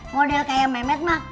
model kayak mehmet mah